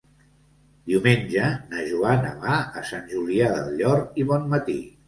Diumenge na Joana va a Sant Julià del Llor i Bonmatí.